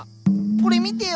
これ見てよ。